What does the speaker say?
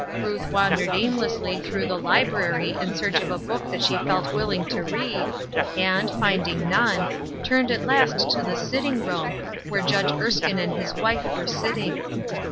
Ruth wan dered aimlessly through the library in search of a book that she felt willing to read, and, finding none, turned at last to the sitting room, where Judge Erskine and his wife were sitting.